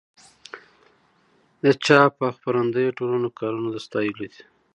د چاپ او خپرندویه ټولنو کارونه د ستایلو دي.